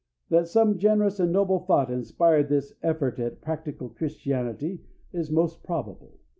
That some such generous and noble thought inspired this effort at practical Christianity is most probable.